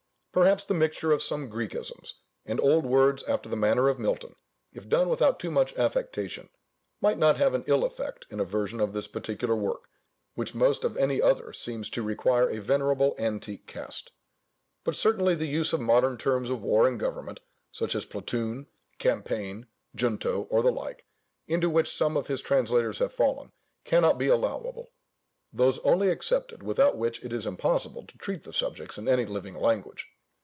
Perhaps the mixture of some Græcisms and old words after the manner of Milton, if done without too much affectation, might not have an ill effect in a version of this particular work, which most of any other seems to require a venerable, antique cast. But certainly the use of modern terms of war and government, such as "platoon, campaign, junto," or the like, (into which some of his translators have fallen) cannot be allowable; those only excepted without which it is impossible to treat the subjects in any living language.